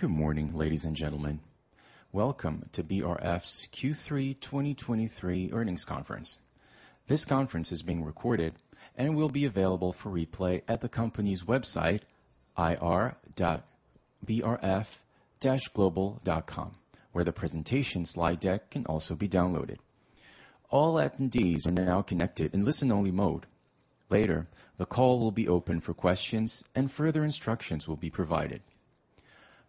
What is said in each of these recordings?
Good morning, ladies and gentlemen. Welcome to BRF's Q3 2023 earnings conference. This conference is being recorded and will be available for replay at the company's website ir.brf-global.com, where the presentation slide deck can also be downloaded. All attendees are now connected in listen-only mode. Later, the call will be open for questions and further instructions will be provided.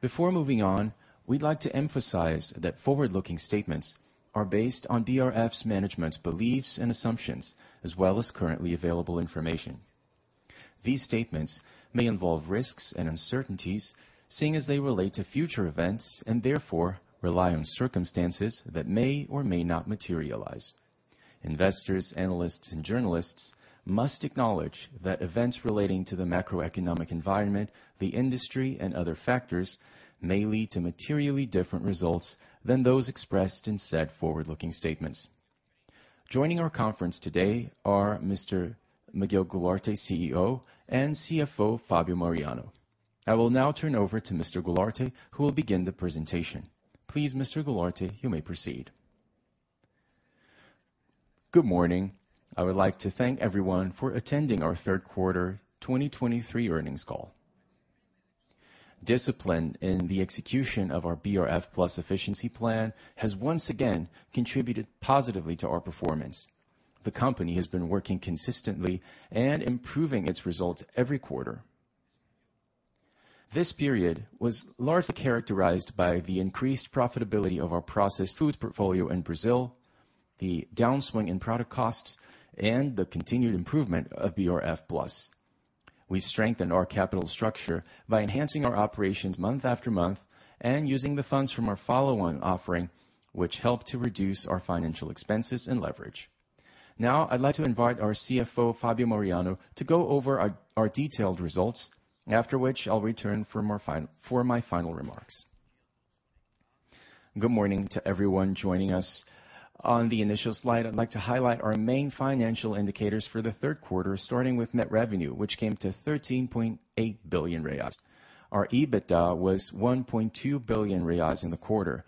Before moving on, we'd like to emphasize that forward-looking statements are based on BRF's management's beliefs and assumptions, as well as currently available information. These statements may involve risks and uncertainties, seeing as they relate to future events and therefore rely on circumstances that may or may not materialize. Investors, analysts, and journalists must acknowledge that events relating to the macroeconomic environment, the industry, and other factors may lead to materially different results than those expressed in said forward-looking statements. Joining our conference today are Mr. Miguel Gularte, CEO, and CFO, Fabio Mariano. I will now turn over to Mr. Gularte, who will begin the presentation. Please, Mr. Gularte, you may proceed. Good morning. I would like to thank everyone for attending our third quarter 2023 earnings call. Discipline in the execution of our BRF+ Efficiency Plan has once again contributed positively to our performance. The company has been working consistently and improving its results every quarter. This period was largely characterized by the increased profitability of our processed foods portfolio in Brazil, the downswing in product costs, and the continued improvement of BRF+. We've strengthened our capital structure by enhancing our operations month after month and using the funds from our follow-on offering, which helped to reduce our financial expenses and leverage. Now, I'd like to invite our CFO, Fabio Mariano, to go over our detailed results, after which I'll return for more, for my final remarks. Good morning to everyone joining us. On the initial slide, I'd like to highlight our main financial indicators for the third quarter, starting with net revenue, which came to 13.8 billion reais. Our EBITDA was 1.2 billion reais in the quarter.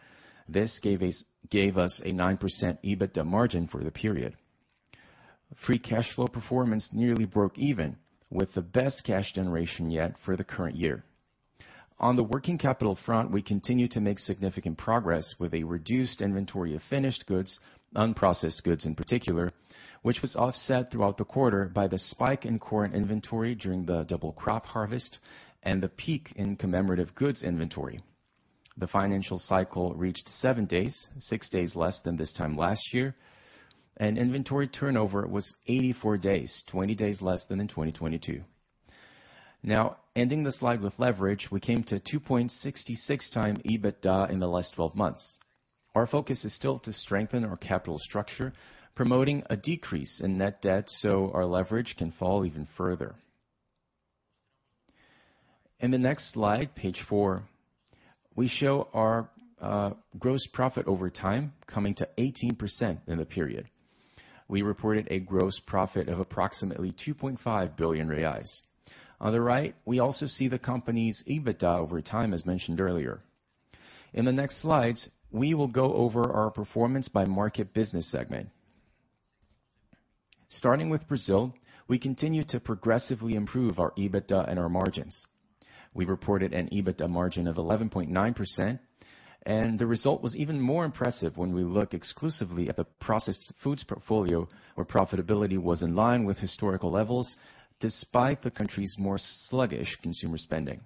This gave us a 9% EBITDA margin for the period. Free cash flow performance nearly broke even, with the best cash generation yet for the current year. On the working capital front, we continued to make significant progress with a reduced inventory of finished goods, unprocessed goods in particular, which was offset throughout the quarter by the spike in corn inventory during the double crop harvest and the peak in commemorative goods inventory. The financial cycle reached seven days, six days less than this time last year, and inventory turnover was 84 days, 20 days less than in 2022. Now, ending the slide with leverage, we came to 2.66x EBITDA in the last 12 months. Our focus is still to strengthen our capital structure, promoting a decrease in net debt so our leverage can fall even further. In the next slide, page four, we show our gross profit over time, coming to 18% in the period. We reported a gross profit of approximately 2.5 billion reais. On the right, we also see the company's EBITDA over time, as mentioned earlier. In the next slides, we will go over our performance by market business segment. Starting with Brazil, we continue to progressively improve our EBITDA and our margins. We reported an EBITDA margin of 11.9%, and the result was even more impressive when we look exclusively at the processed foods portfolio, where profitability was in line with historical levels, despite the country's more sluggish consumer spending.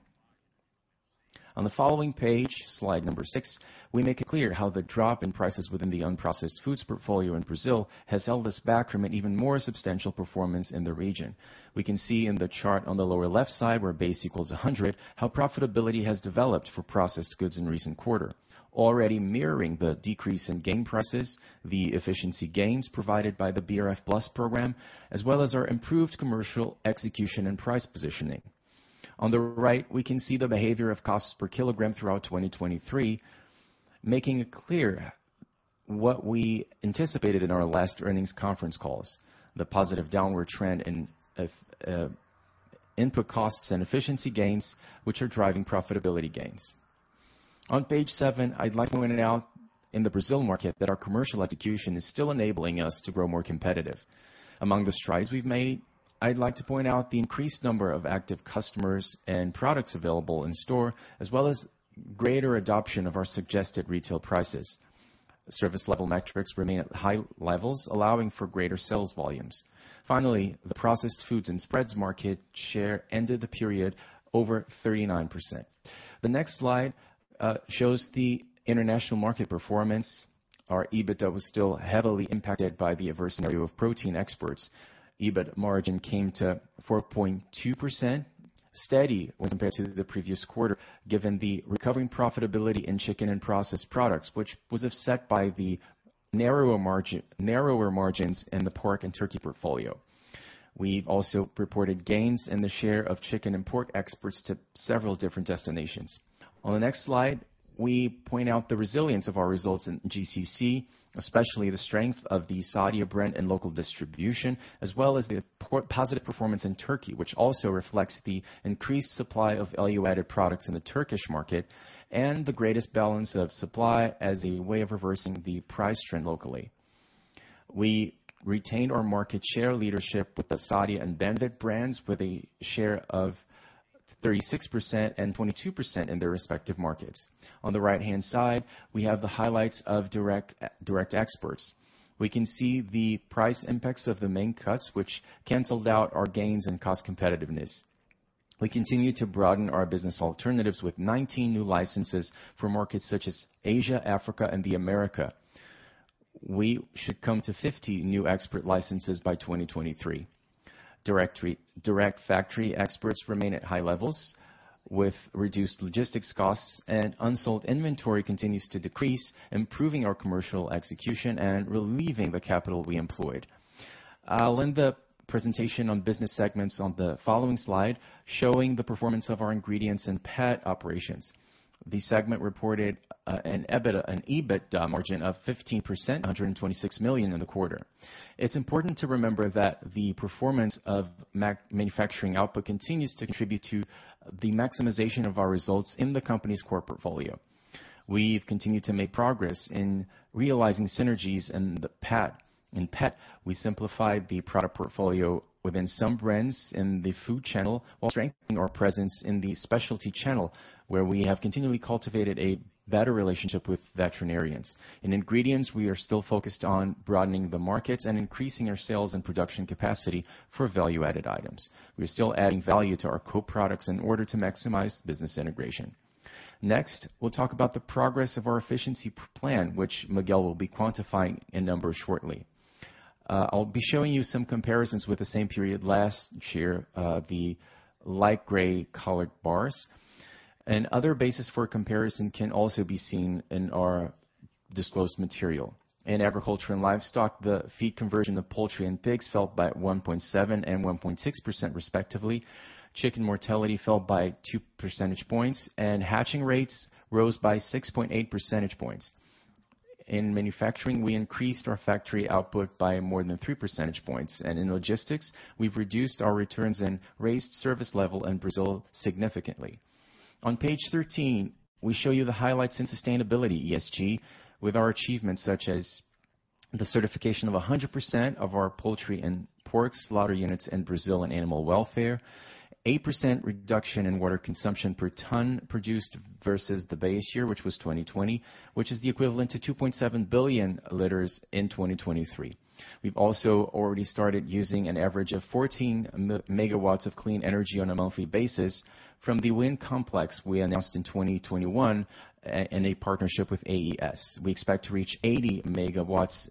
On the following page, slide number six, we make it clear how the drop in prices within the unprocessed foods portfolio in Brazil has held us back from an even more substantial performance in the region. We can see in the chart on the lower left side, where base equals 100, how profitability has developed for processed goods in recent quarter. Already mirroring the decrease in grain prices, the efficiency gains provided by the BRF+ program, as well as our improved commercial execution and price positioning. On the right, we can see the behavior of costs per kilogram throughout 2023, making it clear what we anticipated in our last earnings conference calls, the positive downward trend in input costs and efficiency gains, which are driving profitability gains. On page seven, I'd like to point out in the Brazil market that our commercial execution is still enabling us to grow more competitive. Among the strides we've made, I'd like to point out the increased number of active customers and products available in store, as well as greater adoption of our suggested retail prices. Service level metrics remain at high levels, allowing for greater sales volumes. Finally, the processed foods and spreads market share ended the period over 39%. The next slide shows the international market performance. Our EBITDA was still heavily impacted by the adverse scenario of protein exports. EBITDA margin came to 4.2%, steady when compared to the previous quarter, given the recovering profitability in chicken and processed products, which was offset by the narrower margins in the pork and turkey portfolio. We've also reported gains in the share of chicken and pork exports to several different destinations. On the next slide, we point out the resilience of our results in GCC, especially the strength of the Sadia brand and local distribution, as well as the positive performance in Turkey, which also reflects the increased supply of value-added products in the Turkish market, and the greatest balance of supply as a way of reversing the price trend locally. We retained our market share leadership with the Sadia and Banvit brands, with a share of 36% and 22% in their respective markets. On the right-hand side, we have the highlights of direct exports. We can see the price impacts of the main cuts, which canceled out our gains in cost competitiveness. We continue to broaden our business alternatives with 19 new licenses for markets such as Asia, Africa, and the Americas. We should come to 50 new export licenses by 2023. Direct factory exports remain at high levels, with reduced logistics costs, and unsold inventory continues to decrease, improving our commercial execution and relieving the capital we employed. I'll end the presentation on business segments on the following slide, showing the performance of our ingredients and pet operations. The segment reported an EBITDA margin of 15%, 126 million in the quarter. It's important to remember that the performance of manufacturing output continues to contribute to the maximization of our results in the company's core portfolio. We've continued to make progress in realizing synergies in the pet. In pet, we simplified the product portfolio within some brands in the food channel, while strengthening our presence in the specialty channel, where we have continually cultivated a better relationship with veterinarians. In ingredients, we are still focused on broadening the markets and increasing our sales and production capacity for value-added items. We are still adding value to our co-products in order to maximize business integration. Next, we'll talk about the progress of our Efficiency Plan, which Miguel will be quantifying in numbers shortly. I'll be showing you some comparisons with the same period last year, the light gray colored bars. Other basis for comparison can also be seen in our disclosed material. In agriculture and livestock, the feed conversion of poultry and pigs fell by 1.7% and 1.6%, respectively. Chicken mortality fell by two percentage points, and hatching rates rose by 6.8 percentage points. In manufacturing, we increased our factory output by more than three percentage points, and in logistics, we've reduced our returns and raised service level in Brazil significantly. On page 13, we show you the highlights in sustainability, ESG, with our achievements, such as the certification of 100% of our poultry and pork slaughter units in Brazil and animal welfare, 8% reduction in water consumption per ton produced versus the base year, which was 2020, which is the equivalent to 2.7 billion L in 2023. We've also already started using an average of 14 MW of clean energy on a monthly basis from the wind complex we announced in 2021 in a partnership with AES. We expect to reach 80 MW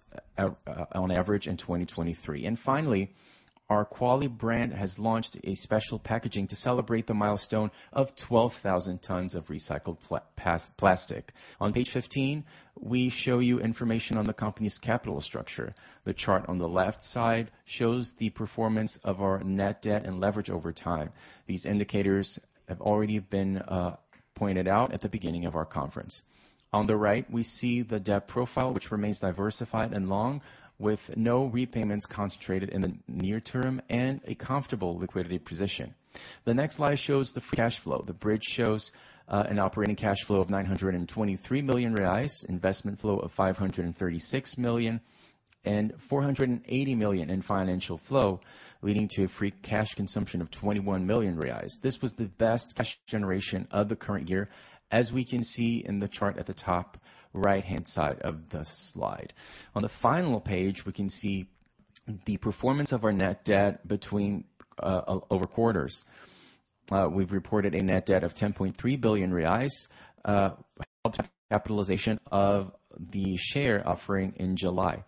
on average in 2023. And finally, our Qualy brand has launched a special packaging to celebrate the milestone of 12,000 tons of recycled plastic. On page 15, we show you information on the company's capital structure. The chart on the left side shows the performance of our net debt and leverage over time. These indicators have already been pointed out at the beginning of our conference. On the right, we see the debt profile, which remains diversified and long, with no repayments concentrated in the near term and a comfortable liquidity position. The next slide shows the free cash flow. The bridge shows an operating cash flow of 923 million reais, investment flow of 536 million, and 480 million in financial flow, leading to a free cash consumption of 21 million reais. This was the best cash generation of the current year, as we can see in the chart at the top right-hand side of the slide. On the final page, we can see the performance of our net debt between over quarters. We've reported a net debt of 10.3 billion reais, helped capitalization of the share offering in July.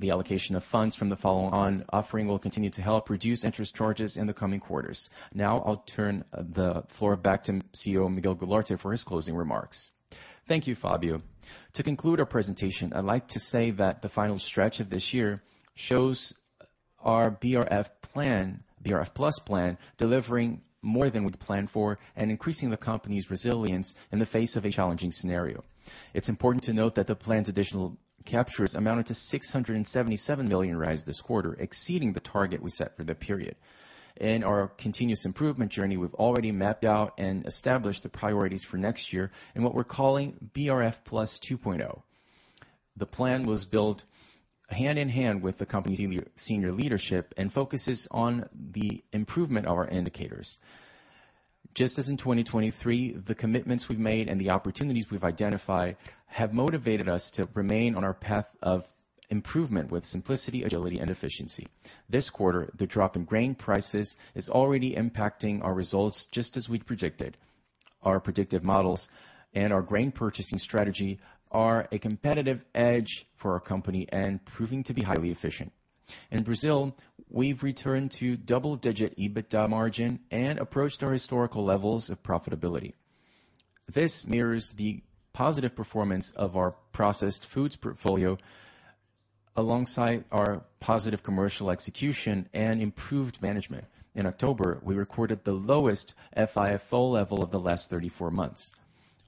The allocation of funds from the follow-on offering will continue to help reduce interest charges in the coming quarters. Now I'll turn the floor back to CEO Miguel Gularte for his closing remarks. Thank you, Fabio. To conclude our presentation, I'd like to say that the final stretch of this year shows our BRF+ plan, BRF+ plan, delivering more than we'd planned for and increasing the company's resilience in the face of a challenging scenario. It's important to note that the plan's additional captures amounted to 677 million this quarter, exceeding the target we set for the period. In our continuous improvement journey, we've already mapped out and established the priorities for next year in what we're calling BRF+ 2.0. The plan was built hand in hand with the company's senior leadership and focuses on the improvement of our indicators. Just as in 2023, the commitments we've made and the opportunities we've identified have motivated us to remain on our path of improvement with simplicity, agility, and efficiency. This quarter, the drop in grain prices is already impacting our results, just as we'd predicted. Our predictive models and our grain purchasing strategy are a competitive edge for our company and proving to be highly efficient. In Brazil, we've returned to double-digit EBITDA margin and approached our historical levels of profitability. This mirrors the positive performance of our processed foods portfolio, alongside our positive commercial execution and improved management. In October, we recorded the lowest FIFO level of the last 34 months.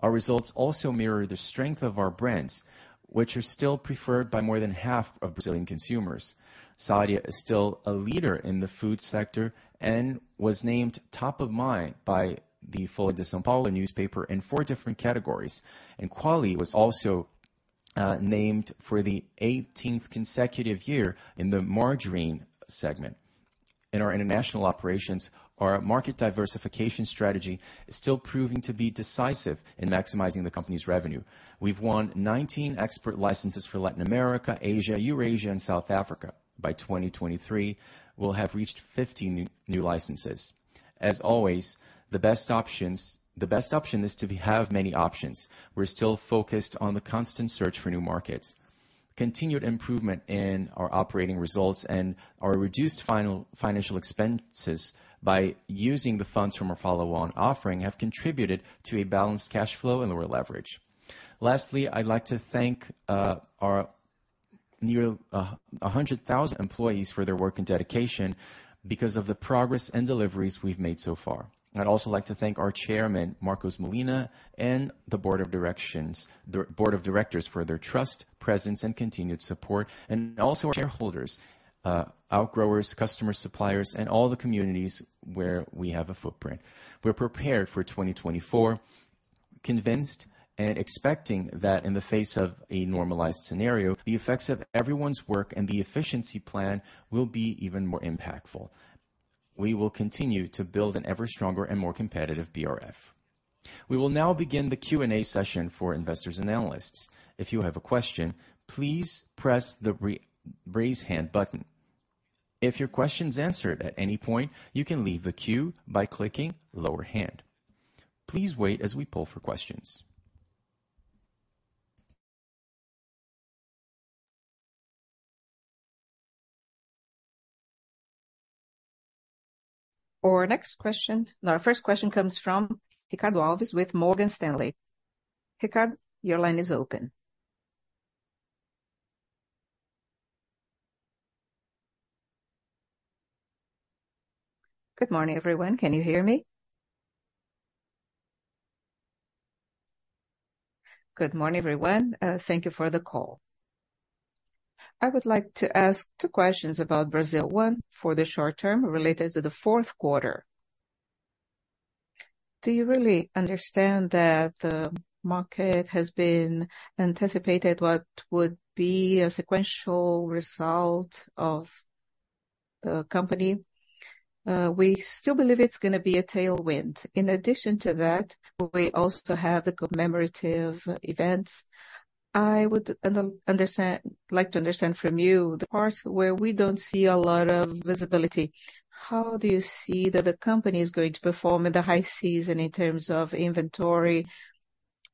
Our results also mirror the strength of our brands, which are still preferred by more than half of Brazilian consumers. Sadia is still a leader in the food sector and was named Top of Mind by the Folha de São Paulo newspaper in four different categories, and Qualy was also named for the 18th consecutive year in the margarine segment. In our international operations, our market diversification strategy is still proving to be decisive in maximizing the company's revenue. We've won 19 export licenses for Latin America, Asia, Eurasia and South Africa. By 2023, we'll have reached 15 new licenses. As always, the best options, the best option is to be, have many options. We're still focused on the constant search for new markets. Continued improvement in our operating results and our reduced financial expenses by using the funds from our follow-on offering, have contributed to a balanced cash flow and lower leverage. Lastly, I'd like to thank our nearly 100,000 employees for their work and dedication because of the progress and deliveries we've made so far. I'd also like to thank our chairman, Marcos Molina, and the Board of Directors, for their trust, presence, and continued support, and also our shareholders, outgrowers, customers, suppliers, and all the communities where we have a footprint. We're prepared for 2024, convinced and expecting that in the face of a normalized scenario, the effects of everyone's work and the Efficiency Plan will be even more impactful. We will continue to build an ever stronger and more competitive BRF. We will now begin the Q&A session for investors and analysts. If you have a question, please press the raise hand button. If your question is answered at any point, you can leave the queue by clicking Lower Hand. Please wait as we poll for questions. Our next question, no, our first question comes from Ricardo Alves with Morgan Stanley. Ricardo, your line is open. Good morning, everyone. Can you hear me? Good morning, everyone, thank you for the call. I would like to ask two questions about Brazil. One, for the short term, related to the fourth quarter. Do you really understand that the market has been anticipated, what would be a sequential result of the company? We still believe it's gonna be a tailwind. In addition to that, we also have the commemorative events. I would like to understand from you, the parts where we don't see a lot of visibility. How do you see that the company is going to perform in the high season in terms of inventory,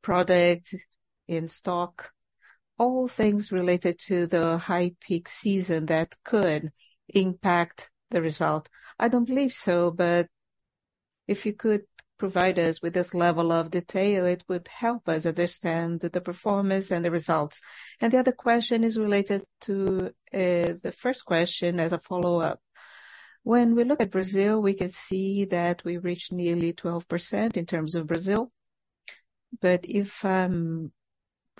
product, in stock, all things related to the high peak season that could impact the result? I don't believe so, but if you could provide us with this level of detail, it would help us understand the performance and the results. And the other question is related to the first question as a follow-up. When we look at Brazil, we can see that we reached nearly 12% in terms of Brazil. But if,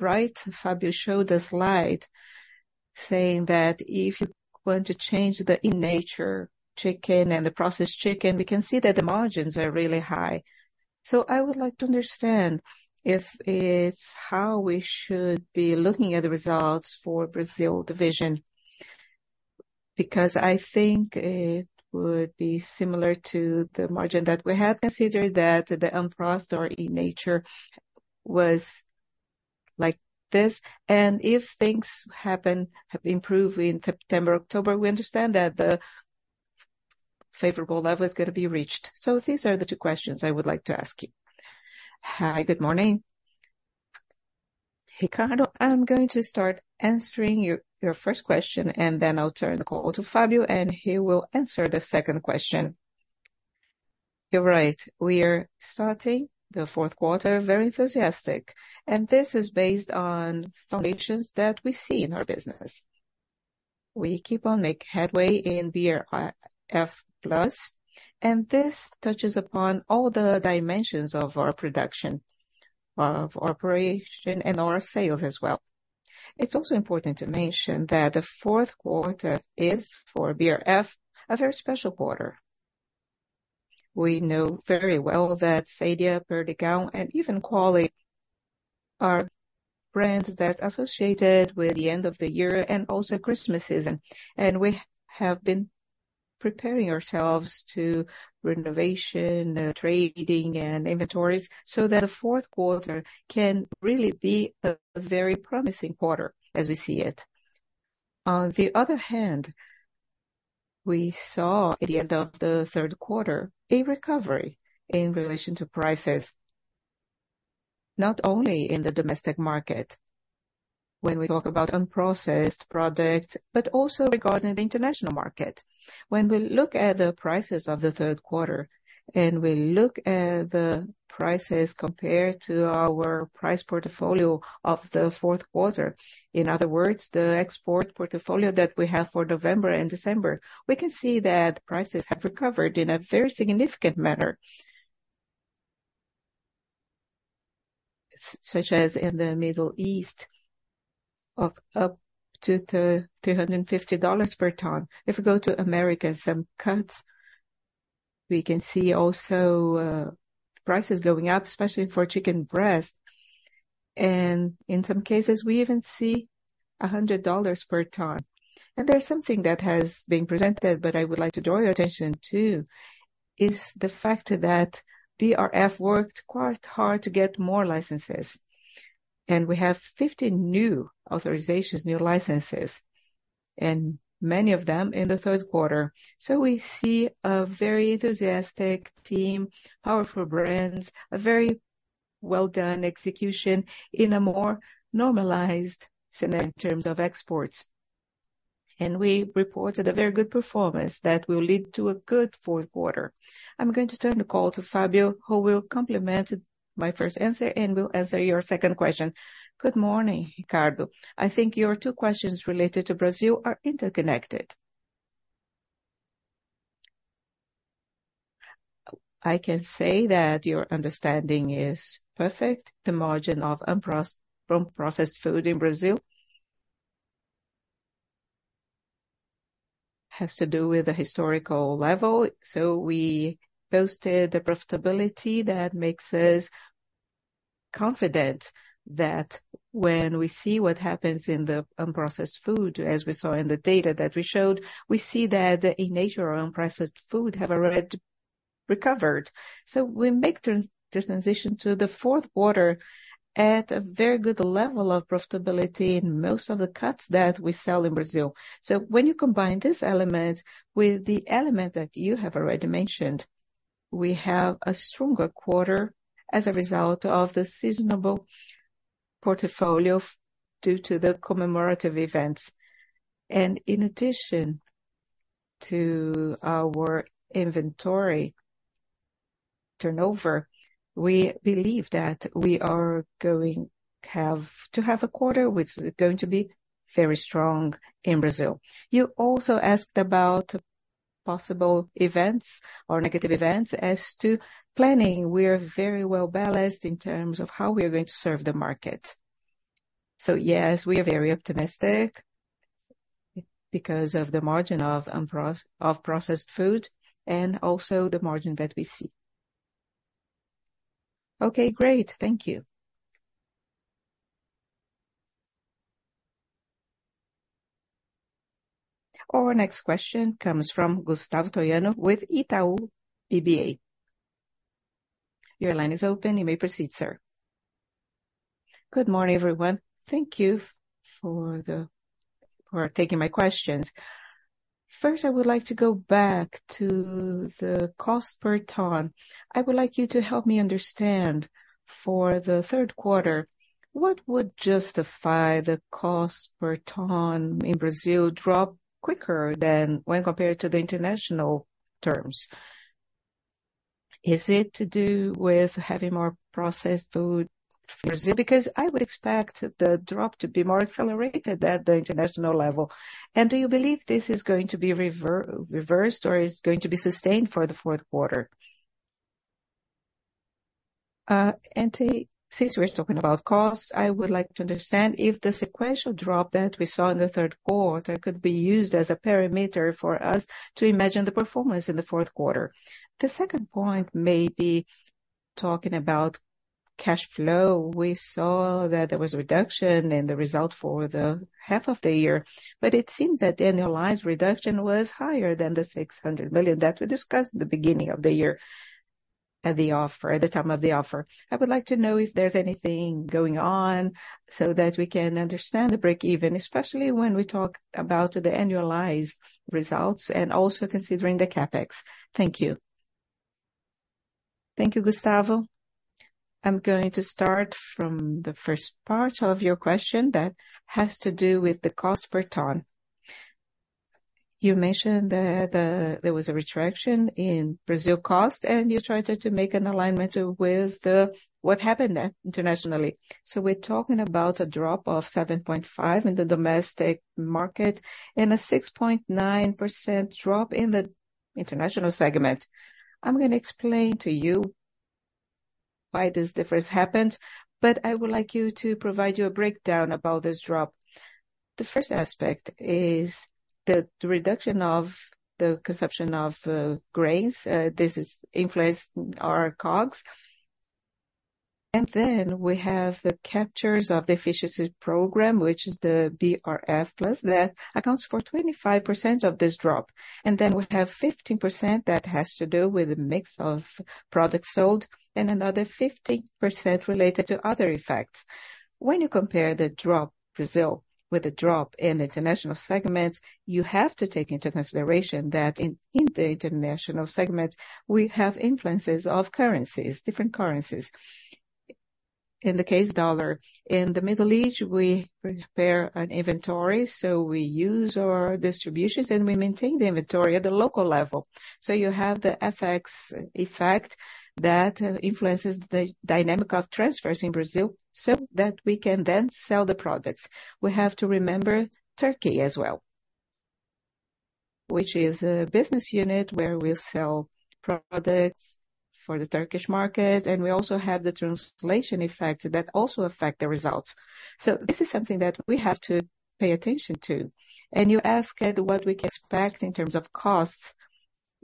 right, Fabio showed a slide saying that if you want to change the in natura chicken and the processed chicken, we can see that the margins are really high. So I would like to understand if it's how we should be looking at the results for Brazil division, because I think it would be similar to the margin that we had considered, that the unprocessed or in natura was like this. And if things happen, have improved in September, October, we understand that the favorable level is gonna be reached. These are the two questions I would like to ask you. Hi, good morning. Ricardo, I'm going to start answering your first question, and then I'll turn the call to Fabio, and he will answer the second question. You're right, we are starting the fourth quarter very enthusiastic, and this is based on foundations that we see in our business. We keep on making headway in BRF+, and this touches upon all the dimensions of our production, of operation, and our sales as well. It's also important to mention that the fourth quarter is, for BRF, a very special quarter. We know very well that Sadia, Perdigão, and even Qualy, are brands that associated with the end of the year and also Christmas season. And we have been preparing ourselves to renovation, trading and inventories so that the fourth quarter can really be a very promising quarter as we see it. On the other hand, we saw at the end of the third quarter a recovery in relation to prices, not only in the domestic market, when we talk about unprocessed products, but also regarding the international market. When we look at the prices of the third quarter, and we look at the prices compared to our price portfolio of the fourth quarter, in other words, the export portfolio that we have for November and December, we can see that prices have recovered in a very significant manner. Such as in the Middle East, of up to $350 per ton. If we go to America, some cuts, we can see also prices going up, especially for chicken breast, and in some cases, we even see $100 per ton. And there's something that has been presented, but I would like to draw your attention to, is the fact that BRF worked quite hard to get more licenses. We have 50 new authorizations, new licenses, and many of them in the third quarter. We see a very enthusiastic team, powerful brands, a very well-done execution in a more normalized scenario in terms of exports. We reported a very good performance that will lead to a good fourth quarter. I'm going to turn the call to Fabio, who will complement my first answer and will answer your second question. Good morning, Ricardo. I think your two questions related to Brazil are interconnected. I can say that your understanding is perfect. The margin on processed food in Brazil has to do with the historical level, so we posted a profitability that makes us confident that when we see what happens in the unprocessed food, as we saw in the data that we showed, we see that the in natura of unprocessed food have already recovered. So we make this transition to the fourth quarter at a very good level of profitability in most of the cuts that we sell in Brazil. So when you combine this element with the element that you have already mentioned, we have a stronger quarter as a result of the seasonal portfolio due to the commemorative events. And in addition to our inventory turnover, we believe that we are going to have a quarter which is going to be very strong in Brazil. You also asked about possible events or negative events. As to planning, we are very well balanced in terms of how we are going to serve the market. So yes, we are very optimistic, because of the margin of processed food and also the margin that we see. Okay, great. Thank you. Our next question comes from Gustavo Troyano with Itaú BBA. Your line is open. You may proceed, sir. Good morning, everyone. Thank you for taking my questions. First, I would like to go back to the cost per ton. I would like you to help me understand, for the third quarter, what would justify the cost per ton in Brazil drop quicker than when compared to the international terms? Is it to do with having more processed food in Brazil? Because I would expect the drop to be more accelerated at the international level. And do you believe this is going to be reversed, or is it going to be sustained for the fourth quarter? And since we're talking about cost, I would like to understand if the sequential drop that we saw in the third quarter could be used as a parameter for us to imagine the performance in the fourth quarter. The second point may be talking about cash flow. We saw that there was a reduction in the result for the half of the year, but it seems that the annualized reduction was higher than the 600 million that we discussed at the beginning of the year, at the offer, at the time of the offer. I would like to know if there's anything going on so that we can understand the break-even, especially when we talk about the annualized results and also considering the CapEx. Thank you. Thank you, Gustavo. I'm going to start from the first part of your question that has to do with the cost per ton. You mentioned that there was a retraction in Brazil cost, and you tried to make an alignment with the what happened internationally. So we're talking about a drop of 7.5% in the domestic market and a 6.9% drop in the international segment. I'm gonna explain to you why this difference happened, but I would like to provide you a breakdown about this drop. The first aspect is the reduction of the consumption of grains. This has influenced our COGS. And then we have the captures of the efficiency program, which is the BRF+, that accounts for 25% of this drop. And then we have 15% that has to do with the mix of products sold and another 15% related to other effects. When you compare the drop in Brazil with the drop in the international segments, you have to take into consideration that in the international segments, we have influences of currencies, different currencies. In the case dollar, in the Middle East, we prepare an inventory, so we use our distributions, and we maintain the inventory at the local level. So you have the FX effect that influences the dynamic of transfers in Brazil, so that we can then sell the products. We have to remember Turkey as well, which is a business unit where we sell products for the Turkish market, and we also have the translation effect that also affect the results. So this is something that we have to pay attention to. You asked what we can expect in terms of costs.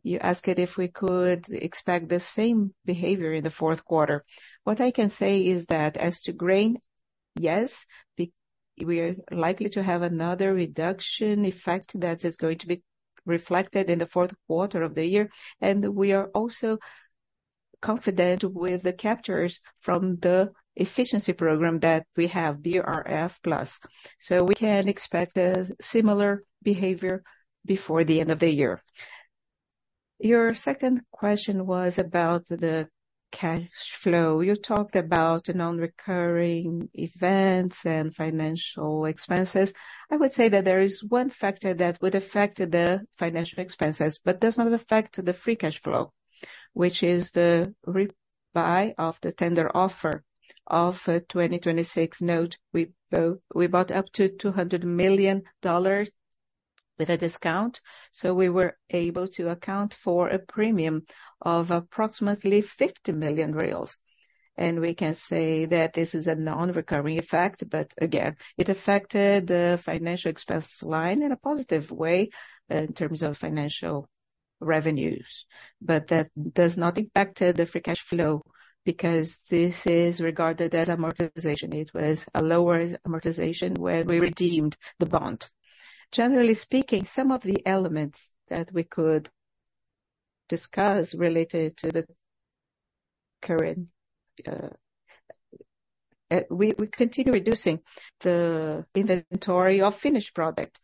You asked if we could expect the same behavior in the fourth quarter. What I can say is that as to grain, yes, we are likely to have another reduction effect that is going to be reflected in the fourth quarter of the year, and we are also confident with the captures from the efficiency program that we have, BRF+. So we can expect a similar behavior before the end of the year. Your second question was about the cash flow. You talked about the non-recurring events and financial expenses. I would say that there is one factor that would affect the financial expenses, but does not affect the free cash flow, which is the rebuy of the tender offer of 2026 note. We bought up to $200 million with a discount, so we were able to account for a premium of approximately 50 million reais. We can say that this is a non-recurring effect, but again, it affected the financial expense line in a positive way in terms of financial revenues. But that does not impact the free cash flow, because this is regarded as amortization. It was a lower amortization when we redeemed the bond. Generally speaking, some of the elements that we could discuss related to the current, we continue reducing the inventory of finished products,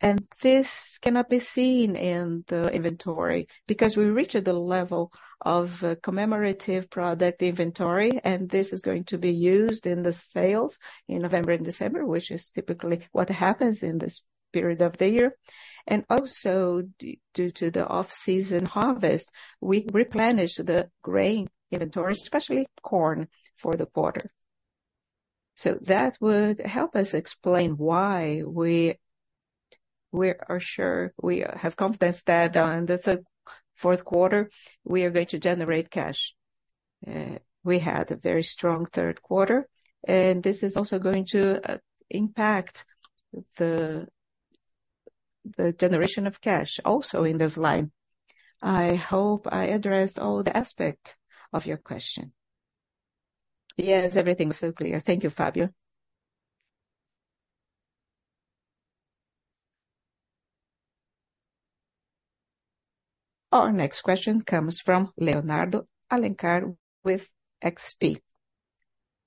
and this cannot be seen in the inventory, because we reached the level of commemorative product inventory, and this is going to be used in the sales in November and December, which is typically what happens in this period of the year. And also, due to the off-season harvest, we replenish the grain inventory, especially corn, for the quarter. So that would help us explain why we are sure, we have confidence that in the third, fourth quarter, we are going to generate cash. We had a very strong third quarter, and this is also going to impact the generation of cash, also in this line. I hope I addressed all the aspect of your question. Yes, everything was so clear. Thank you, Fabio. Our next question comes from Leonardo Alencar with XP.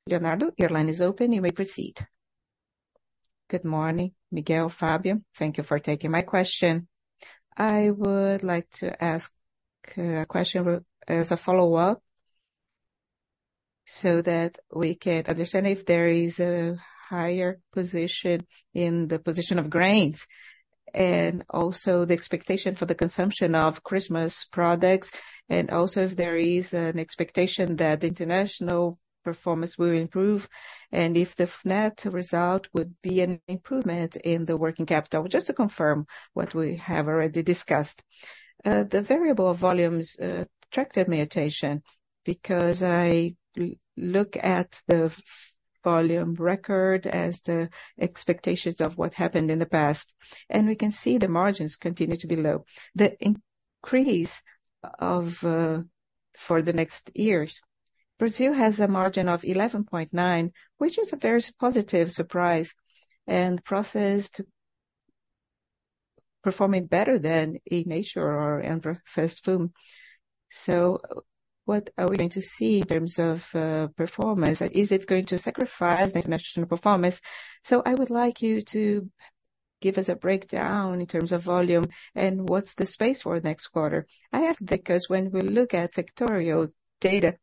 Leonardo, your line is open, you may proceed. Good morning, Miguel, Fabio, thank you for taking my question. I would like to ask a question as a follow-up so that we can understand if there is a higher position in the position of grains, and also the expectation for the consumption of Christmas products, and also if there is an expectation that the international performance will improve, and if the net result would be an improvement in the working capital, just to confirm what we have already discussed. The variable volumes attracted my attention, because I look at the volume record as the expectations of what happened in the past, and we can see the margins continue to be low. The increase of, for the next years, Brazil has a margin of 11.9%, which is a very positive surprise, and processed, performing better than in nature or successful. So what are we going to see in terms of performance? Is it going to sacrifice the international performance? So I would like you to give us a breakdown in terms of volume and what's the space for next quarter. I ask because when we look at sectoral data,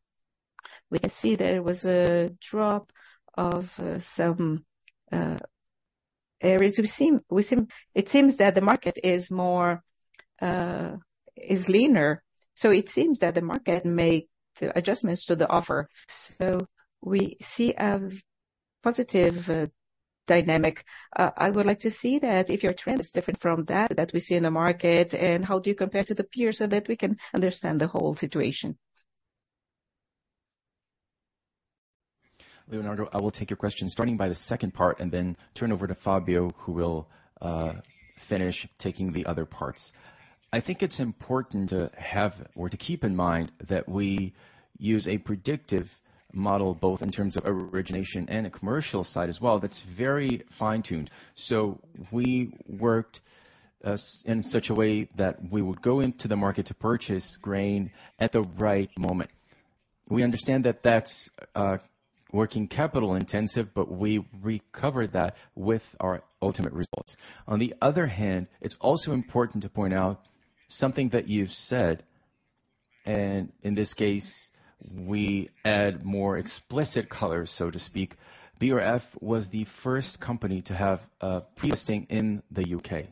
we can see there was a drop of some areas. It seems that the market is more leaner, so it seems that the market make adjustments to the offer. So we see a positive dynamic. I would like to see that if your trend is different from that that we see in the market, and how do you compare to the peers so that we can understand the whole situation. Leonardo, I will take your question, starting by the second part, and then turn over to Fabio, who will finish taking the other parts. I think it's important to have or to keep in mind that we use a predictive model, both in terms of origination and the commercial side as well, that's very fine-tuned. So we worked in such a way that we would go into the market to purchase grain at the right moment. We understand that that's working capital intensive, but we recovered that with our ultimate results. On the other hand, it's also important to point out something that you've said, and in this case, we add more explicit color, so to speak. BRF was the first company to have a pre-listing in the U.K.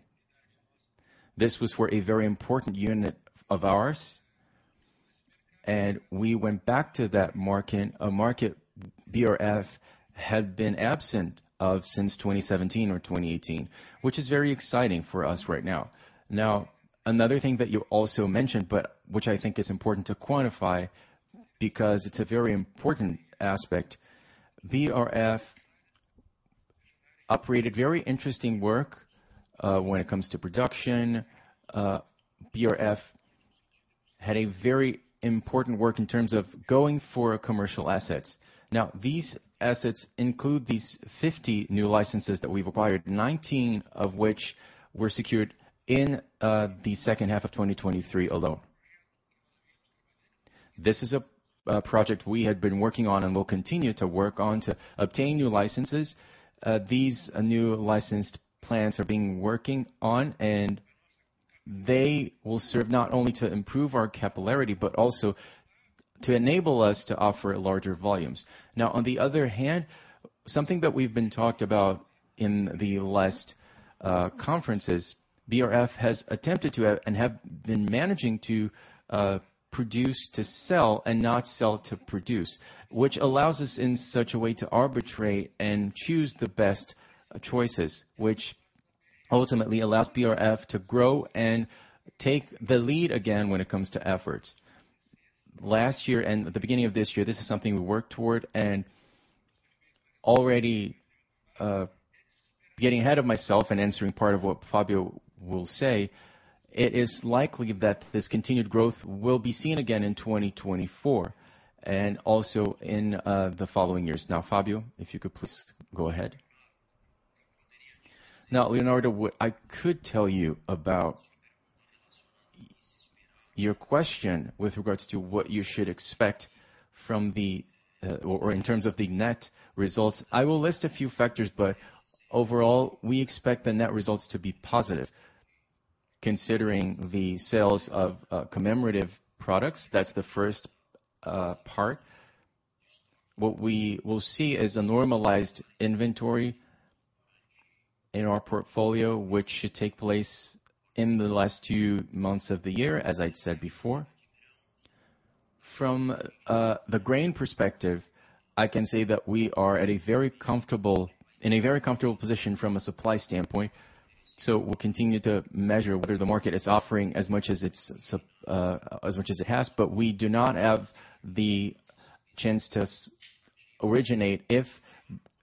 This was for a very important unit of ours, and we went back to that market, a market BRF had been absent of since 2017 or 2018, which is very exciting for us right now. Now, another thing that you also mentioned, but which I think is important to quantify, because it's a very important aspect. BRF operated very interesting work when it comes to production. BRF had a very important work in terms of going for commercial assets. Now, these assets include these 50 new licenses that we've acquired, 19 of which were secured in the second half of 2023 alone. This is a project we had been working on and will continue to work on to obtain new licenses. These new licensed plants are being working on, and they will serve not only to improve our capillarity, but also to enable us to offer larger volumes. Now, on the other hand, something that we've been talked about in the last conferences, BRF has attempted to have and have been managing to produce to sell and not sell to produce. Which allows us, in such a way, to arbitrate and choose the best choices, which ultimately allows BRF to grow and take the lead again when it comes to efforts. Last year and at the beginning of this year, this is something we worked toward and already getting ahead of myself and answering part of what Fabio will say, it is likely that this continued growth will be seen again in 2024 and also in the following years. Now, Fabio, if you could please go ahead. Now, Leonardo, what I could tell you about your question with regards to what you should expect from the or in terms of the net results. I will list a few factors, but overall, we expect the net results to be positive, considering the sales of commemorative products. That's the first part. What we will see is a normalized inventory in our portfolio, which should take place in the last two months of the year, as I'd said before. From the grain perspective, I can say that we are in a very comfortable position from a supply standpoint, so we'll continue to measure whether the market is offering as much as it's as much as it has. But we do not have the chance to originate if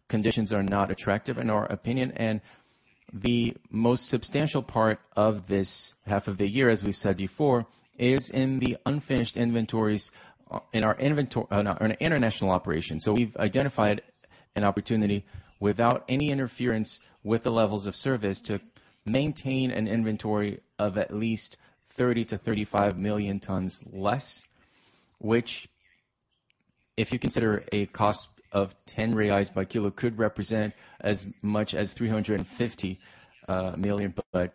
conditions are not attractive, in our opinion. And the most substantial part of this half of the year, as we've said before, is in the unfinished inventories in our international operations. So we've identified an opportunity without any interference with the levels of service, to maintain an inventory of at least 30-35 million tons less, which if you consider a cost of 10 reais by kilo, could represent as much as 350 million. But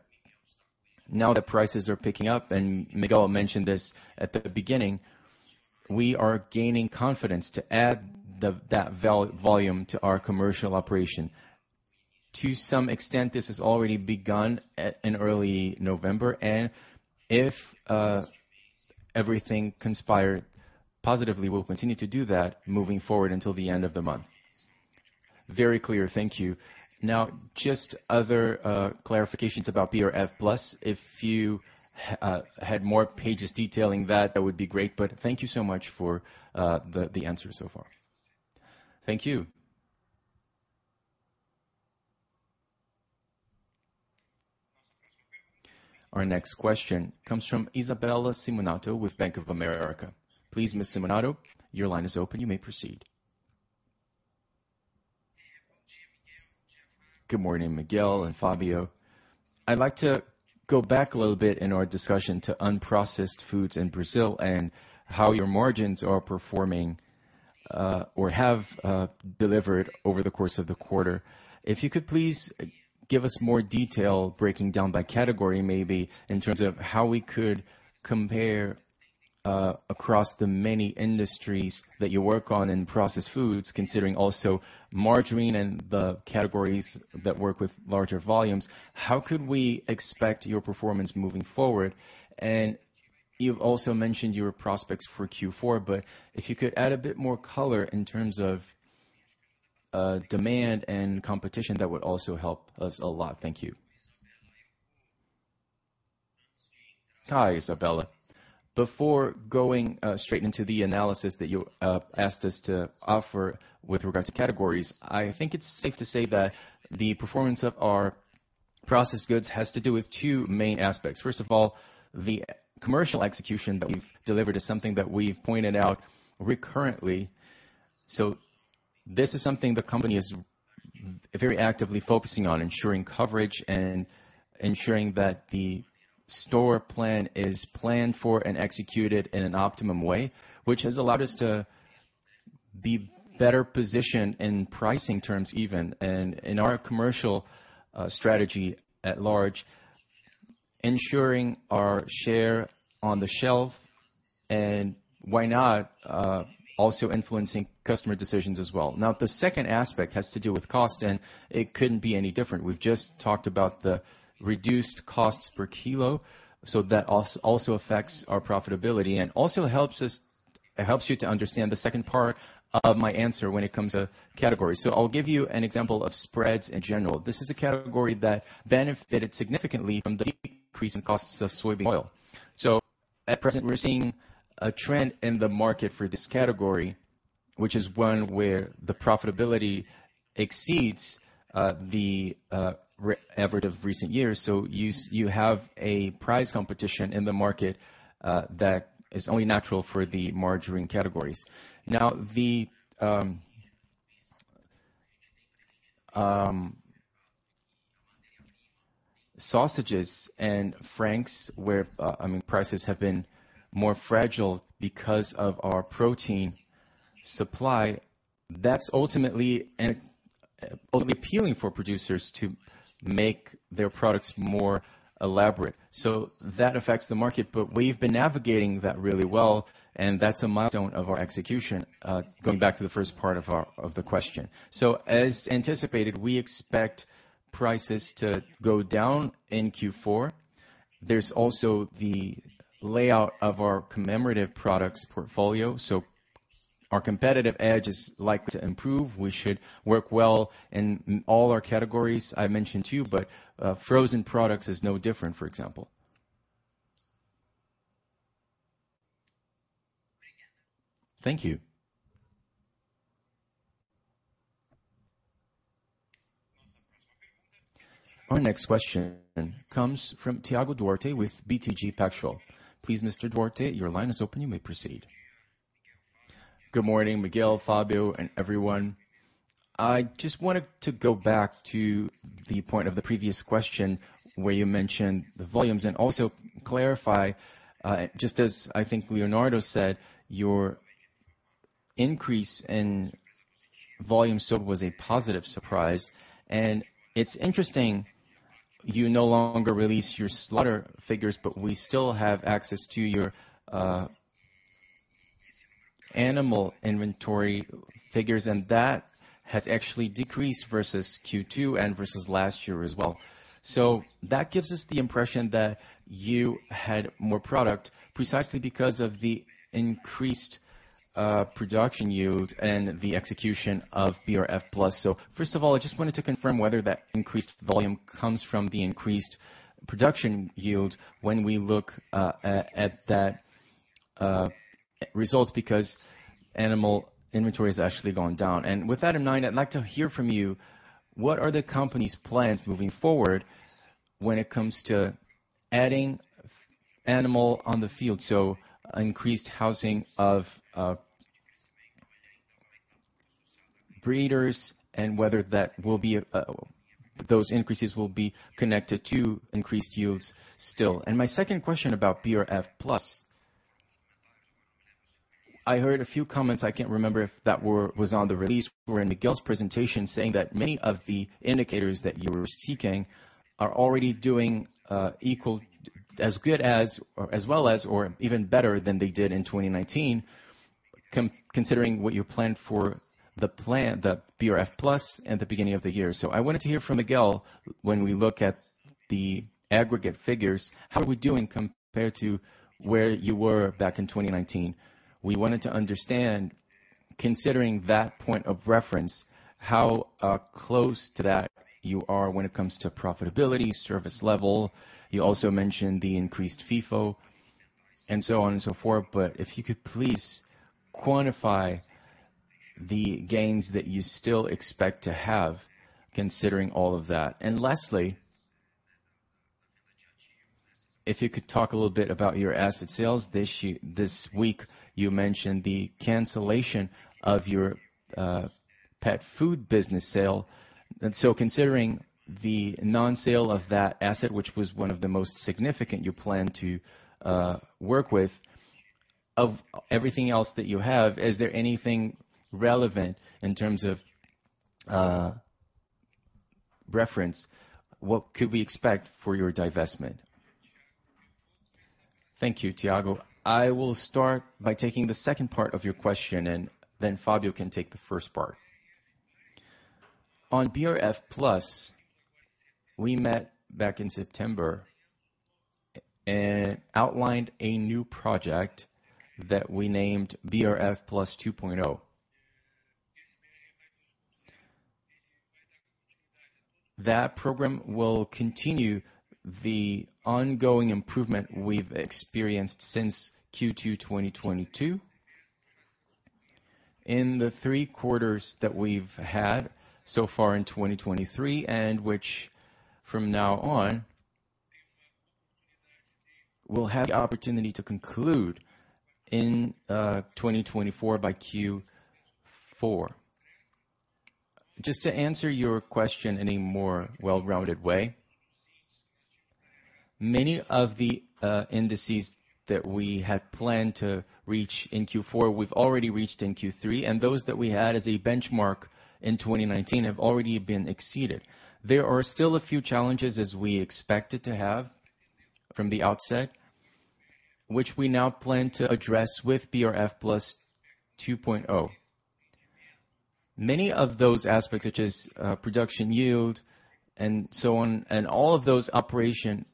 now that prices are picking up, and Miguel mentioned this at the beginning, we are gaining confidence to add that volume to our commercial operation. To some extent, this has already begun at, in early November, and if everything conspire positively, we'll continue to do that moving forward until the end of the month. Very clear. Thank you. Now, just other clarifications about BRF+. If you had more pages detailing that, that would be great. But thank you so much for the answer so far. Thank you. Our next question comes from Isabella Simonato with Bank of America. Please, Ms. Simonato, your line is open. You may proceed. Good morning, Miguel and Fabio. I'd like to go back a little bit in our discussion to unprocessed foods in Brazil and how your margins are performing or have delivered over the course of the quarter. If you could please give us more detail, breaking down by category, maybe, in terms of how we could compare across the many industries that you work on in processed foods, considering also margarine and the categories that work with larger volumes. How could we expect your performance moving forward? And you've also mentioned your prospects for Q4, but if you could add a bit more color in terms of demand and competition, that would also help us a lot. Thank you. Hi, Isabella. Before going straight into the analysis that you asked us to offer with regards to categories, I think it's safe to say that the performance of our processed goods has to do with two main aspects. First of all, the commercial execution that we've delivered is something that we've pointed out recurrently. So this is something the company is very actively focusing on ensuring coverage and ensuring that the store plan is planned for and executed in an optimum way, which has allowed us to be better positioned in pricing terms even, and in our commercial strategy at large, ensuring our share on the shelf, and why not, also influencing customer decisions as well. Now, the second aspect has to do with cost, and it couldn't be any different. We've just talked about the reduced costs per kilo, so that also affects our profitability and also helps us. It helps you to understand the second part of my answer when it comes to categories. So I'll give you an example of spreads in general. This is a category that benefited significantly from the decrease in costs of soybean oil. So at present, we're seeing a trend in the market for this category, which is one where the profitability exceeds the effort of recent years. So you have a price competition in the market that is only natural for the margarine categories. Now, the sausages and franks, where I mean, prices have been more fragile because of our protein supply, that's ultimately appealing for producers to make their products more elaborate. So that affects the market, but we've been navigating that really well, and that's a milestone of our execution, going back to the first part of our, of the question. So as anticipated, we expect prices to go down in Q4. There's also the layout of our commemorative products portfolio, so our competitive edge is likely to improve. We should work well in all our categories. I mentioned two, but, frozen products is no different, for example. Thank you. Our next question comes from Thiago Duarte with BTG Pactual. Please, Mr. Duarte, your line is open. You may proceed. Good morning, Miguel, Fabio, and everyone. I just wanted to go back to the point of the previous question, where you mentioned the volumes, and also clarify, just as I think Leonardo said, your increase in volume still was a positive surprise, and it's interesting, you no longer release your slaughter figures, but we still have access to your, animal inventory figures, and that has actually decreased versus Q2 and versus last year as well. So that gives us the impression that you had more product, precisely because of the increased, production yield and the execution of BRF+. So first of all, I just wanted to confirm whether that increased volume comes from the increased production yield when we look at that results, because animal inventory has actually gone down. And with that in mind, I'd like to hear from you: What are the company's plans moving forward when it comes to adding animal on the field? So increased housing of breeders, and whether that will be those increases will be connected to increased yields still. And my second question about BRF+. I heard a few comments. I can't remember if that was on the release or in Miguel's presentation, saying that many of the indicators that you were seeking are already doing equal, as good as, or as well as, or even better than they did in 2019, considering what you planned for the plan, the BRF+ at the beginning of the year. So I wanted to hear from Miguel, when we look at the aggregate figures, how are we doing compared to where you were back in 2019? We wanted to understand, considering that point of reference, how close to that you are when it comes to profitability, service level. You also mentioned the increased FIFO and so on and so forth, but if you could please quantify the gains that you still expect to have, considering all of that. Lastly, if you could talk a little bit about your asset sales this year. This week, you mentioned the cancellation of your pet food business sale. So considering the non-sale of that asset, which was one of the most significant you plan to work with, of everything else that you have, is there anything relevant in terms of reference? What could we expect for your divestment? Thank you, Thiago. I will start by taking the second part of your question, and then Fabio can take the first part. On BRF+, we met back in September and outlined a new project that we named BRF+ 2.0. That program will continue the ongoing improvement we've experienced since Q2 2022. In the three quarters that we've had so far in 2023, and which from now on we'll have the opportunity to conclude in 2024 by Q4. Just to answer your question in a more well-rounded way, many of the indices that we had planned to reach in Q4, we've already reached in Q3, and those that we had as a benchmark in 2019 have already been exceeded. There are still a few challenges, as we expected to have from the outset, which we now plan to address with BRF+ 2.0. Many of those aspects, such as production yield and so on, and all of those operation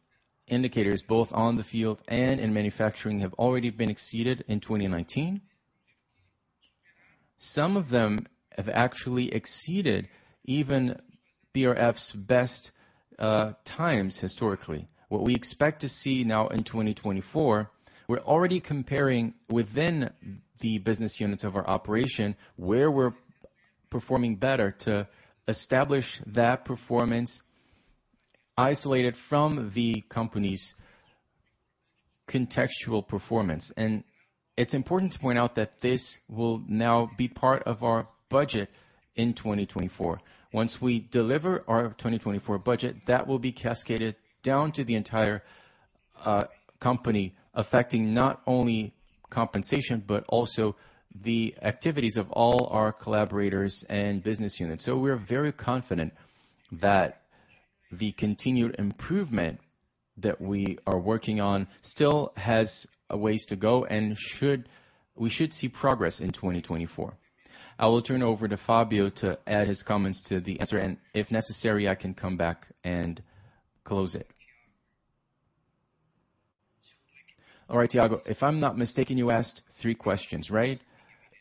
indicators, both on the field and in manufacturing, have already been exceeded in 2019. Some of them have actually exceeded even BRF's best times historically. What we expect to see now in 2024, we're already comparing within the business units of our operation, where we're performing better to establish that performance, isolated from the company's contextual performance. It's important to point out that this will now be part of our budget in 2024. Once we deliver our 2024 budget, that will be cascaded down to the entire company, affecting not only compensation, but also the activities of all our collaborators and business units. So we're very confident that the continued improvement that we are working on still has a ways to go and we should see progress in 2024. I will turn over to Fabio to add his comments to the answer, and if necessary, I can come back and close it. All right, Thiago, if I'm not mistaken, you asked three questions, right?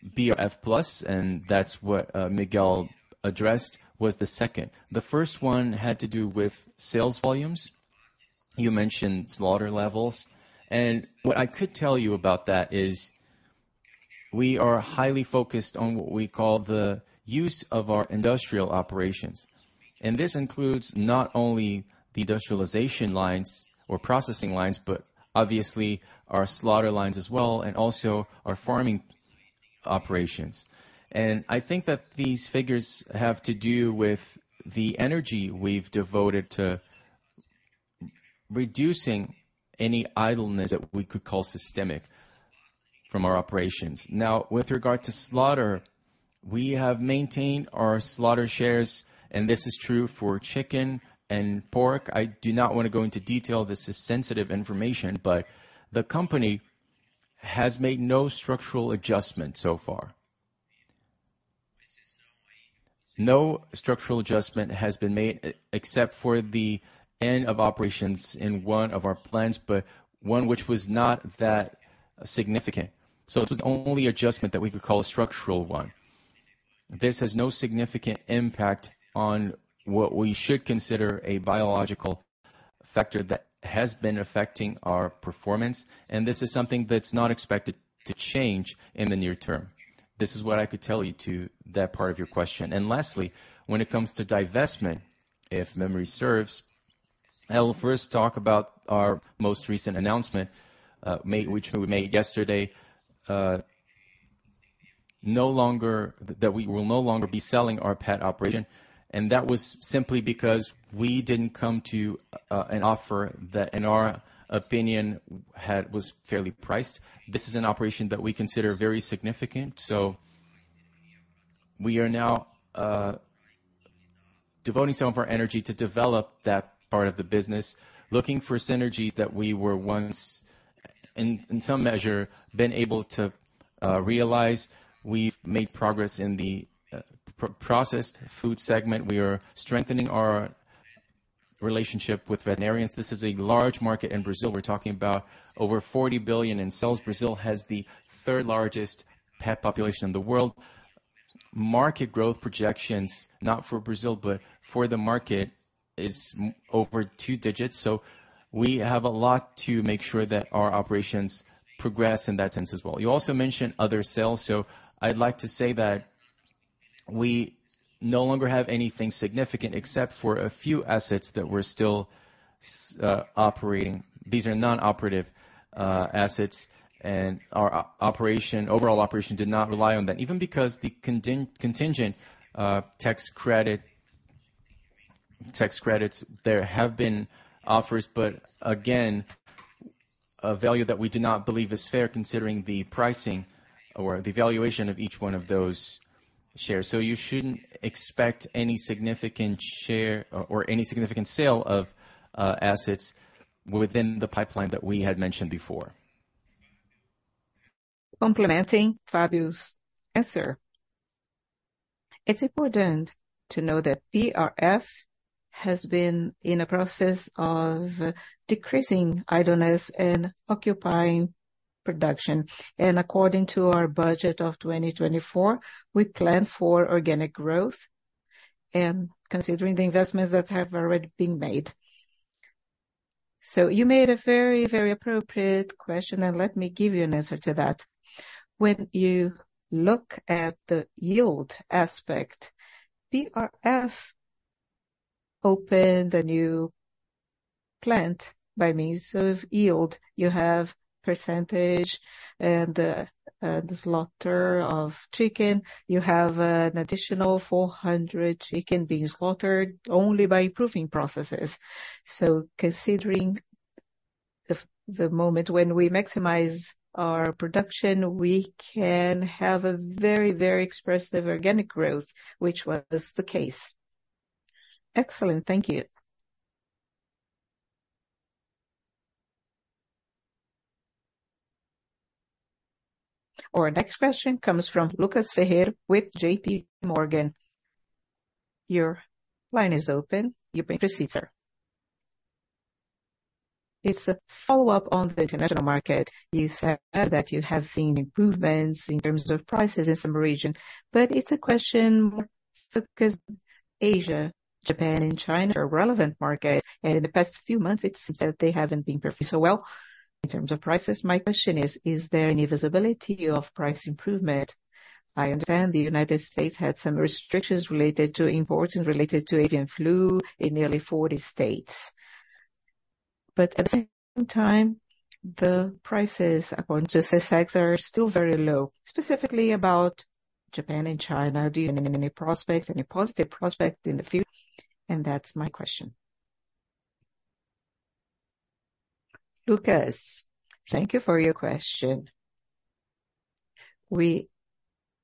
BRF+, and that's what Miguel addressed, was the second. The first one had to do with sales volumes. You mentioned slaughter levels, and what I could tell you about that is we are highly focused on what we call the use of our industrial operations. And this includes not only the industrialization lines or processing lines, but obviously our slaughter lines as well, and also our farming operations. And I think that these figures have to do with the energy we've devoted to reducing any idleness that we could call systemic from our operations. Now, with regard to slaughter, we have maintained our slaughter shares, and this is true for chicken and pork. I do not want to go into detail. This is sensitive information, but the company has made no structural adjustment so far. No structural adjustment has been made, except for the end of operations in one of our plants, but one which was not that significant. It was the only adjustment that we could call a structural one. This has no significant impact on what we should consider a biological factor that has been affecting our performance, and this is something that's not expected to change in the near term. This is what I could tell you to that part of your question. Lastly, when it comes to divestment, if memory serves, I will first talk about our most recent announcement, which we made yesterday. That we will no longer be selling our pet operation, and that was simply because we didn't come to an offer that, in our opinion, was fairly priced. This is an operation that we consider very significant, so we are now devoting some of our energy to develop that part of the business, looking for synergies that we were once, in some measure, been able to realize. We've made progress in the processed food segment. We are strengthening our relationship with veterinarians. This is a large market in Brazil. We're talking about over 40 billion in sales. Brazil has the 3rd largest pet population in the world. Market growth projections, not for Brazil, but for the market, is over two digits, so we have a lot to make sure that our operations progress in that sense as well. You also mentioned other sales, so I'd like to say that we no longer have anything significant except for a few assets that we're still operating. These are non-operative assets, and our operation, overall operation did not rely on that, even because the contingent tax credit, tax credits, there have been offers, but again, a value that we do not believe is fair, considering the pricing or the valuation of each one of those shares. So you shouldn't expect any significant share or any significant sale of assets within the pipeline that we had mentioned before. Complementing Fabio's answer, it's important to know that BRF has been in a process of decreasing idleness and occupying production. According to our budget of 2024, we plan for organic growth and considering the investments that have already been made. You made a very, very appropriate question, and let me give you an answer to that. When you look at the yield aspect, BRF opened a new plant by means of yield, you have percentage and the slaughter of chicken, you have an additional 400 chicken being slaughtered only by improving processes. Considering the moment when we maximize our production, we can have a very, very expressive organic growth, which was the case. Excellent. Thank you. Our next question comes from Lucas Ferreira with JPMorgan. Your line is open, you may proceed, sir. It's a follow-up on the international market. You said that you have seen improvements in terms of prices in some region, but it's a question more focused. Asia, Japan and China are relevant markets, and in the past few months, it seems that they haven't been performing so well in terms of prices. My question is: Is there any visibility of price improvement? I understand the United States had some restrictions related to imports and related to avian flu in nearly 40 states. But at the same time, the prices according to SECEX are still very low. Specifically about Japan and China, do you have any prospect, any positive prospect in the future? And that's my question. Lucas, thank you for your question. We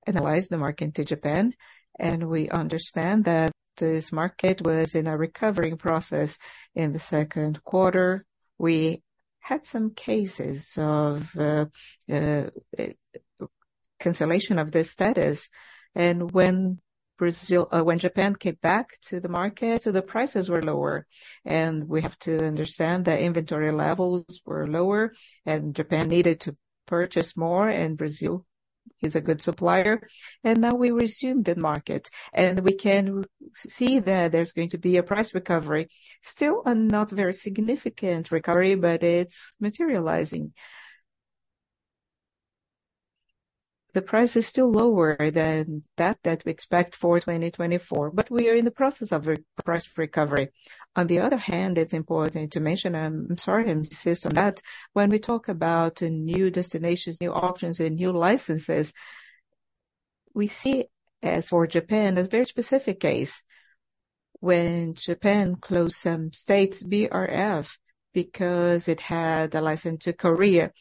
analyzed the market to Japan, and we understand that this market was in a recovering process in the second quarter. We had some cases of cancellation of this status, and when Brazil, when Japan came back to the market, so the prices were lower. And we have to understand that inventory levels were lower and Japan needed to purchase more, and Brazil is a good supplier, and now we resume the market. And we can see that there's going to be a price recovery. Still, a not very significant recovery, but it's materializing. The price is still lower than that, that we expect for 2024, but we are in the process of a price recovery. On the other hand, it's important to mention, I'm sorry, I insist on that. When we talk about new destinations, new options and new licenses, we see as for Japan, a very specific case. When Japan closed some states, BRF, because it had a license to Korea,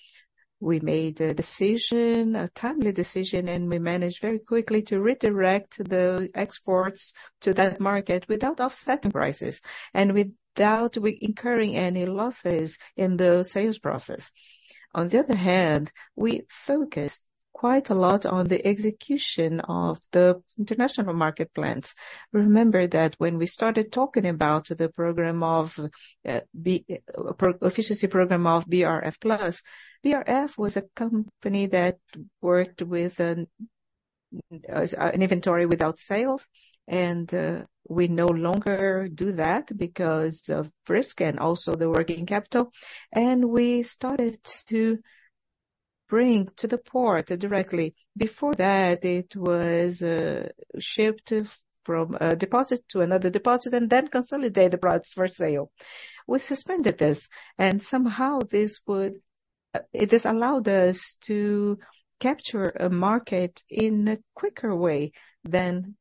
we made a decision, a timely decision, and we managed very quickly to redirect the exports to that market without offsetting prices and without we incurring any losses in the sales process. On the other hand, we focused quite a lot on the execution of the international market plans. Remember that when we started talking about the program of efficiency program of BRF+, BRF was a company that worked with an inventory without sales, and we no longer do that because of risk and also the working capital. We started to bring to the port directly. Before that, it was shipped from a deposit to another deposit and then consolidated products for sale. We suspended this, and somehow this would it has allowed us to capture a market in a quicker way than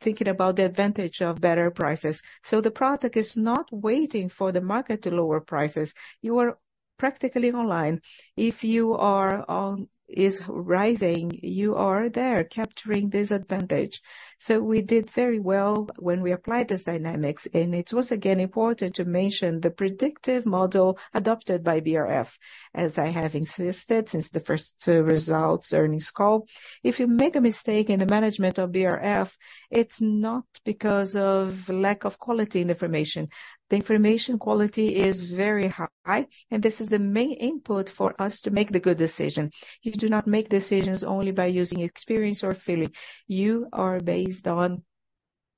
thinking about the advantage of better prices. So the product is not waiting for the market to lower prices. You are practically online. If you are on, is rising, you are there capturing this advantage. So we did very well when we applied these dynamics, and it was again important to mention the predictive model adopted by BRF. As I have insisted since the first results earnings call, if you make a mistake in the management of BRF, it's not because of lack of quality in information. The information quality is very high, and this is the main input for us to make the good decision. You do not make decisions only by using experience or feeling. You are based on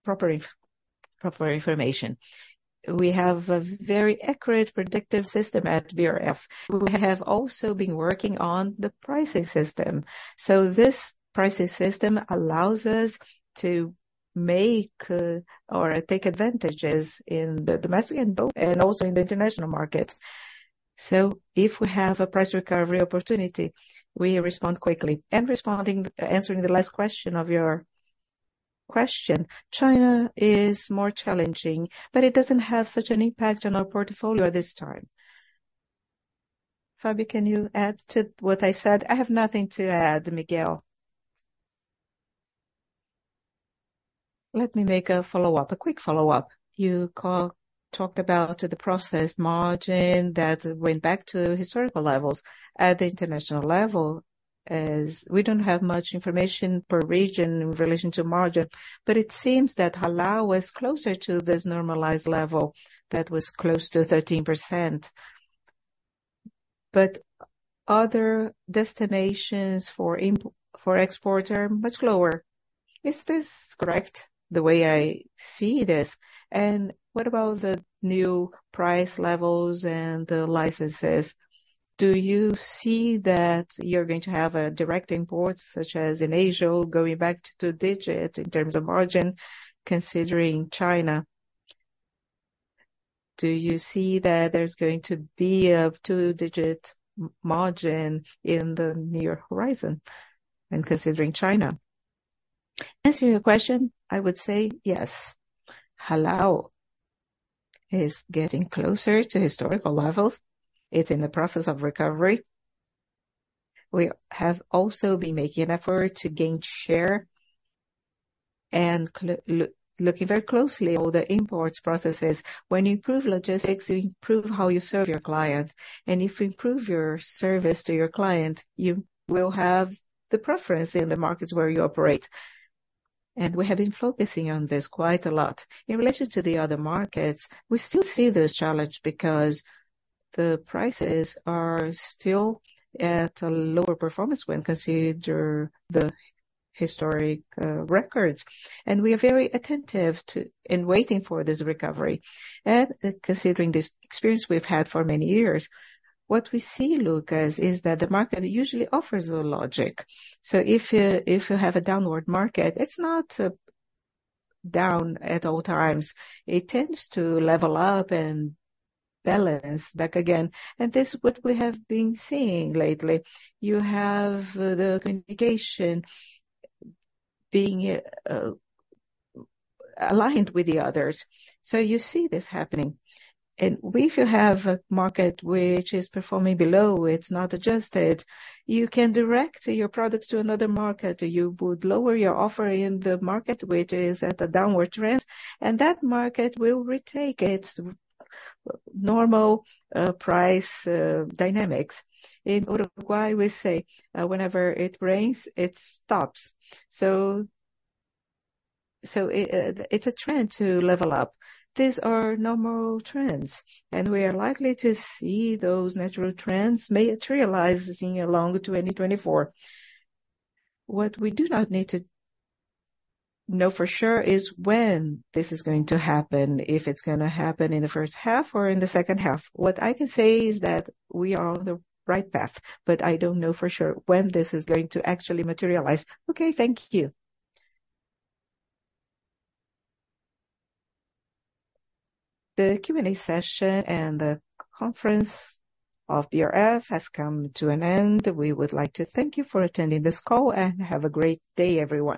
proper information. We have a very accurate predictive system at BRF. We have also been working on the pricing system. So this pricing system allows us to make, or take advantages in the domestic and also in the international market. So if we have a price recovery opportunity, we respond quickly. And responding, answering the last question of your question, China is more challenging, but it doesn't have such an impact on our portfolio at this time. Fabi, can you add to what I said? I have nothing to add, Miguel. Let me make a follow-up, a quick follow-up. You talked about the processed margin that went back to historical levels at the international level, as we don't have much information per region in relation to margin, but it seems that Halal was closer to this normalized level that was close to 13%. But other destinations for export are much lower. Is this correct, the way I see this? And what about the new price levels and the licenses? Do you see that you're going to have a direct import, such as in Asia, going back to two digits in terms of margin, considering China? Do you see that there's going to be a two-digit margin in the near horizon, and considering China? To answer your question, I would say yes. Halal is getting closer to historical levels. It's in the process of recovery. We have also been making an effort to gain share and look, looking very closely at all the imports processes. When you improve logistics, you improve how you serve your client, and if you improve your service to your client, you will have the preference in the markets where you operate. And we have been focusing on this quite a lot. In relation to the other markets, we still see this challenge because the prices are still at a lower performance when consider the historic records. And we are very attentive to, in waiting for this recovery. And considering this experience we've had for many years, what we see, Lucas, is that the market usually offers a logic. So if, if you have a downward market, it's not down at all times. It tends to level up and balance back again, and this is what we have been seeing lately. You have the communication being, aligned with the others. So you see this happening. And if you have a market which is performing below, it's not adjusted, you can direct your products to another market. You would lower your offer in the market, which is at a downward trend, and that market will retake its normal, price, dynamics. In Uruguay, we say, "Whenever it rains, it stops." So, so it, it's a trend to level up. These are normal trends, and we are likely to see those natural trends may materialize in along 2024. What we do not need to know for sure is when this is going to happen, if it's gonna happen in the first half or in the second half. What I can say is that we are on the right path, but I don't know for sure when this is going to actually materialize. Okay, thank you. The Q&A session and the conference of BRF has come to an end. We would like to thank you for attending this call, and have a great day, everyone.